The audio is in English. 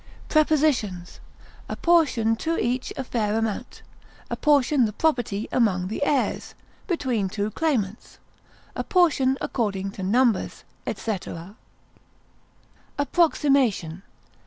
Prepositions: Apportion to each a fair amount; apportion the property among the heirs, between two claimants; apportion according to numbers, etc. APPROXIMATION.